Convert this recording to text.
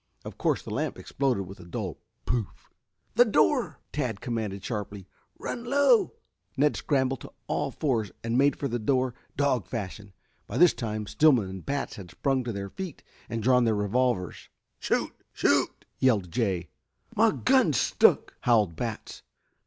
Of course the lamp exploded with a dull "pouff"! "The door!" Tad commanded sharply. "Run low!" Ned scrambled to all fours and made for the door dog fashion. By this time Stillman and Batts had sprung to their feet and drawn their revolvers. "Shoot! Shoot!" yelled Jay. "My gun's stuck," howled Batts.